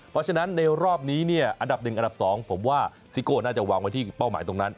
เพราะฉะนั้นในรอบนี้เนี่ยอันดับ๑อันดับ๒ผมว่าซิโก้น่าจะวางไว้ที่เป้าหมายตรงนั้น